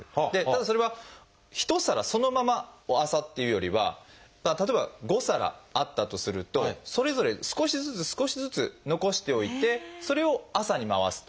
ただそれは一皿そのまま朝っていうよりは例えば５皿あったとするとそれぞれ少しずつ少しずつ残しておいてそれを朝に回す。